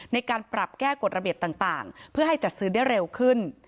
ในการปรับแก้กฎระเบียบต่างเพื่อให้จัดซื้อได้เร็วขึ้น